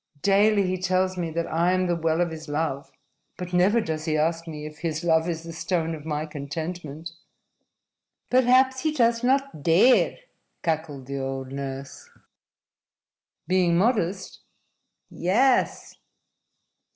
Daily he tells me that I am the well of his love. But never does he ask me if his love is the stone of my contentment." "Perhaps he does not dare," cackled the old nurse. "Being modest?" "Yes."